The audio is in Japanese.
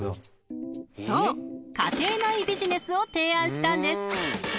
［そう家庭内ビジネスを提案したんです］